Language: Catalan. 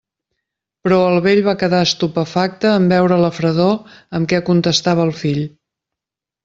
Però el vell va quedar estupefacte en veure la fredor amb què contestava el fill.